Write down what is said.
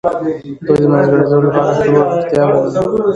دوی د منځګړیتوب لپاره ښه وړتیا مومي.